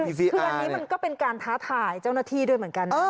คืออันนี้มันก็เป็นการท้าทายเจ้าหน้าที่ด้วยเหมือนกัน